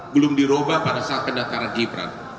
belum dirubah pada saat pendatangan gibran